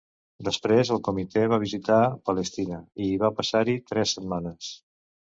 Després. el Comitè va visitar Palestina i hi va passar-hi tres setmanes.